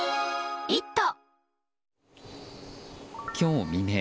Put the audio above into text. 今日未明